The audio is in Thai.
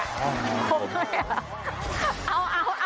เอา